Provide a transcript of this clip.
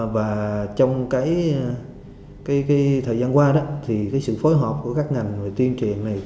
và trong thời gian qua sự phối hợp của các ngành tuyên truyền này